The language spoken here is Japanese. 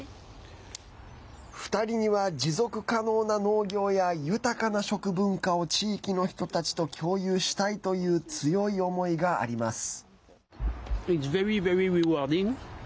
２人には持続可能な農業や豊かな食文化を地域の人たちと共有したいという強い思いがあります。